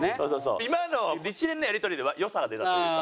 今の一連のやり取りで良さが出たというか。